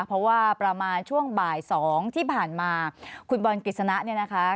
เพราะว่าประมาณช่วงบ่าย๒ที่ผ่านมาคุณบอลกฤษณะเนี่ยนะคะ